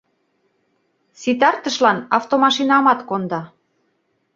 Ситартышлан автомашинамат конда.